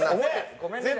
ごめんな。